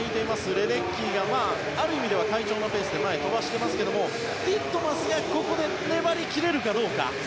レデッキーがある意味では快調なペースで前、飛ばしてますがティットマスがここで粘り切れるかどうか。